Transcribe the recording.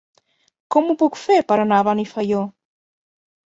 Com ho puc fer per anar a Benifaió?